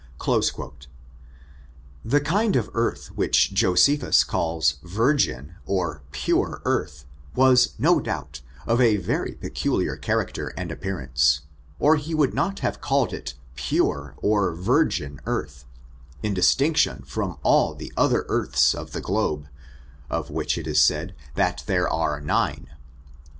!• ^0^^f^0^^*^^^^ ^^4^*^M^^% 18 ORIGIN, CHARACTER, AND The kind of earth which Josephus calls virgin^ or pure earth, was, no doubt, of a very peculiar charac ter and appearance, or he would not have called it pure or virgin earth, in distinction from all the other earths of the globe, of which it is said, that there are nine.